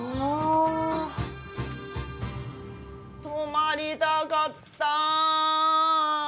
泊まりたかった！